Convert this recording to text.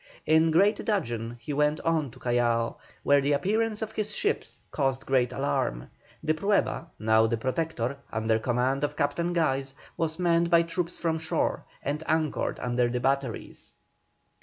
In great dudgeon he went on to Callao, where the appearance of his ships caused great alarm. The Prueba, now the Protector, under command of Captain Guise, was manned by troops from shore, and anchored under the batteries.